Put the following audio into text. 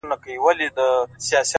• له ربابي سره شهباز ژړله,